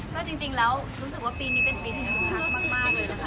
ก็จริงแล้วรู้สึกว่าปีนี้เป็นปีที่คึกคักมากเลยนะคะ